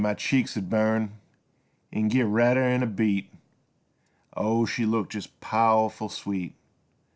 my cheeks 'ud burn An' git redder 'n' a beet. Oh, she looked jest powerful sweet!